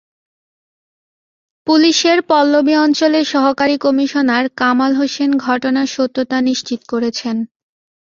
পুলিশের পল্লবী অঞ্চলের সহকারী কমিশনার কামাল হোসেন ঘটনার সত্যতা নিশ্চিত করেছেন।